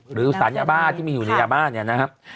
หรือสารยาบ้านที่มีอยู่ในยาบ้าน